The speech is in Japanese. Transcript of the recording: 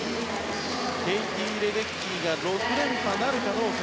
ケイティ・レデッキーが６連覇なるかどうか。